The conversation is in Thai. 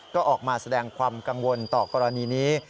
ก็ออกมาแสดงความกังวลต่อกรณีนี้